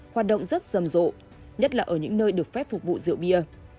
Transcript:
hoạt động rất rầm rộ nhất là ở những nơi được phép phục vụ rượu bia